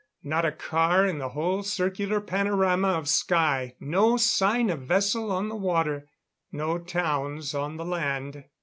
Not a car in the whole circular panorama of sky; no sign of vessel on the water; no towns on the land.